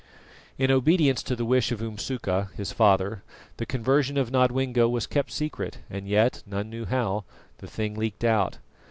In obedience to the wish of Umsuka his father, the conversion of Nodwengo was kept secret, and yet none knew how the thing leaked out.